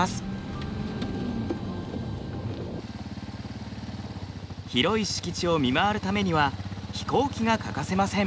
広い敷地を見回るためには飛行機が欠かせません。